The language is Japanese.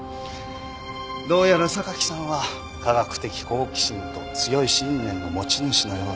どうやら榊さんは科学的好奇心と強い信念の持ち主のようだ。